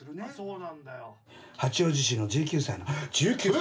八王子市の１９歳の１９歳！